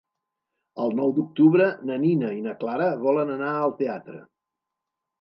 El nou d'octubre na Nina i na Clara volen anar al teatre.